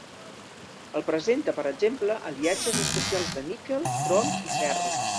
El presenta per exemple aliatges especials de níquel, crom i ferro.